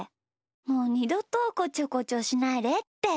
もうにどとこちょこちょしないでって。